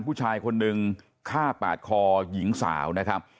ผู้ชายคนหนึ่งฆ่าปาดคอหญิงสาวนะครับ